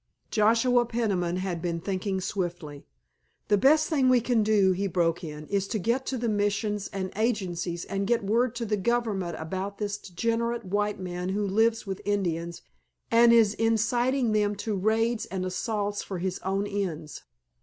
Joshua Peniman had been thinking swiftly. "The best thing we can do," he broke in, "is to get to the Missions and Agencies and get word to the Government about this degenerate white man who lives with the Indians and is inciting them to raids and assaults for his own ends.